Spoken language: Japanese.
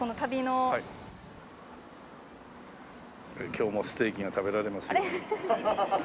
今日もステーキが食べられますように。